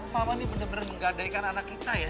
mama nih bener bener menggadaikan anak kita ya